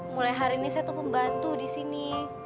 mulai hari ini saya tuh pembantu disini